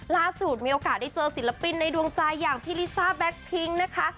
ล่าสุดมีโอกาสได้เจอศิลปินในดวงใจอย่างพี่ลิซ่าแก๊กพิ้งนะคะ